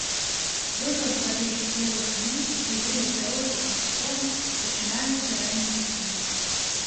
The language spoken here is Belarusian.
Выхад з вады спелых німф і вылет дарослых насякомых пачынаюцца ранняй вясной.